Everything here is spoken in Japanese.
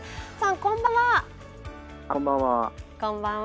こんばんは。